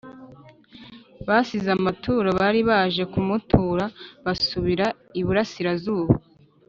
Basize amaturo bari baje kumutura basubira I burasirazuba